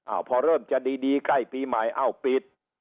อ้าวพอเริ่มจะดีใกล้ปีหมายอ้าวปีด